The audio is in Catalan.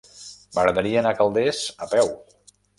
M'agradaria anar a Calders a peu.